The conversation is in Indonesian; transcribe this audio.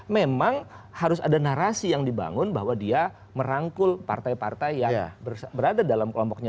memang harus ada narasi yang dibangun bahwa dia merangkul partai partai yang berada dalam kelompoknya